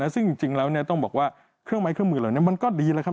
ซึ่งจริงแล้วต้องบอกว่าเครื่องไม้เครื่องมือเหล่านี้มันก็ดีแล้วครับ